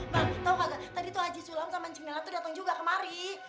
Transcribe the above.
bang tau kagak tadi tuh haji sulam sama ncing nela dateng juga kemari